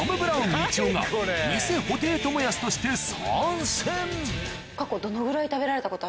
みちおが偽布袋寅泰として参戦